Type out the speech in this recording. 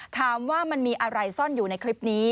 ถามว่ามันมีอะไรซ่อนอยู่ในคลิปนี้